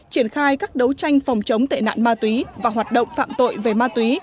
triển khai các đấu tranh phòng chống tệ nạn ma túy và hoạt động phạm tội về ma túy